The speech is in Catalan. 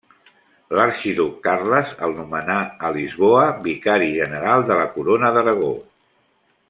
L'arxiduc Carles el nomenà a Lisboa, Vicari General de la Corona d'Aragó.